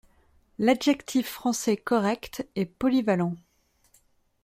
L'adjectif français correct est polyvalent.